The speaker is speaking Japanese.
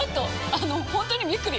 あの本当にびっくり！